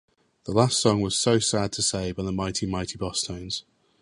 The last song was "So Sad to Say" by The Mighty Mighty Bosstones.